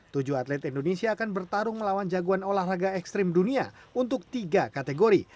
tujuh atlet indonesia akan bertarung melawan jagoan olahraga ekstrim dunia untuk tiga kategori